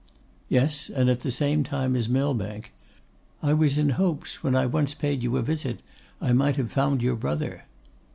'Yes, and at the same time as Millbank. I was in hopes, when I once paid you a visit, I might have found your brother.